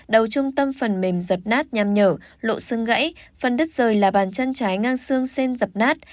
đầu trung tâm phần mềm dập nát nham nhở lộ xương gãy phần đứt rời là bàn chân trái ngang xương sen dập nát